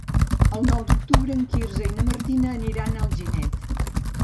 El nou d'octubre en Quirze i na Martina aniran a Alginet.